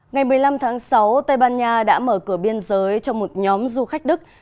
ngày một mươi năm tháng sáu tây ban nha đã mở cửa biên giới cho một nhóm du khách đức